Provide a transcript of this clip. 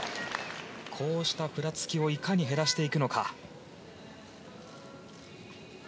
ふらつきをいかに減らしていくのか。